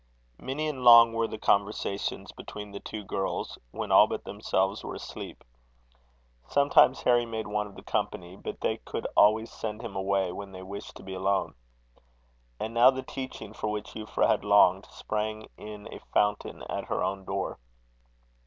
Many and long were the conversations between the two girls, when all but themselves were asleep. Sometimes Harry made one of the company; but they could always send him away when they wished to be alone. And now the teaching for which Euphra had longed, sprang in a fountain at her own door.